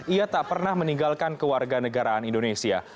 ia tak pernah meninggalkan kewarganegaraan indonesia